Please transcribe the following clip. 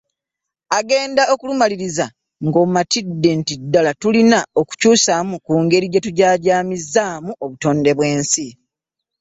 Agenda okulumaliriza ng’omatidde nti ddala tulina okukyusaamu ku ngeri gye tujaajaamizzaamu obutonde bw’ensi.